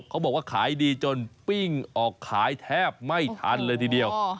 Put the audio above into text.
เขาบอกว่าขายดีจนปิ้งออกขายแทบไม่ทันเลยทีเดียว